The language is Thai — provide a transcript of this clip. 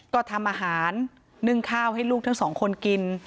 ก็ทำอาหารนึ่งข้าวให้ลูกทั้งสองคนกิน